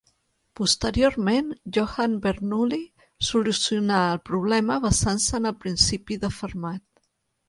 Posteriorment, Johann Bernoulli solucionà el problema basant-se en el principi de Fermat.